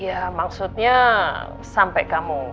ya maksudnya sampai kamu